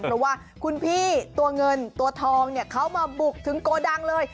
เพราะว่าคุณพี่ตัวเงินตัวทองเนี่ยเขามาบุกถึงโกดังเลย